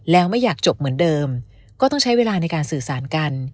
แล้วไม่อยากจบเหมือนเดิมก็ต้องใช้เวลาในการสื่อสารกัน